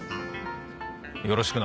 よろしくな。